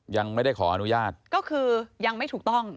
ยังไม่ได้ขออนุญาตก็คือยังไม่ถูกต้อง